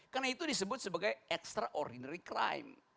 karena itu disebut sebagai extraordinary crime